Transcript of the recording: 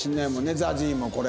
ＺＡＺＹもこれ。